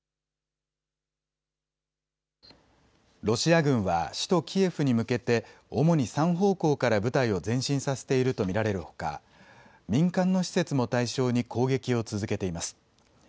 ロシア軍は首都キエフに向けて主に３方向から部隊を前進させていると見られるほか民間の施設も対象に攻撃を続けています。